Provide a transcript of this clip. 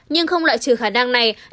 nhưng không lại trừ khả năng này